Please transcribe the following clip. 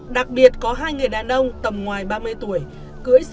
đặc biệt có hai người đàn ông tầm ngoài ba mươi tuổi cư